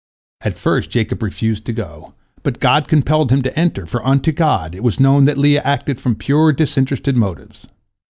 At first Jacob refused to go, but God compelled him to enter, for unto God it was known that Leah acted from pure, disinterested motives.